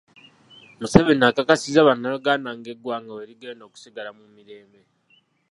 Museveni akakasizza bannayuganda ng’eggwanga bwe ligenda okusigala mu mirembe.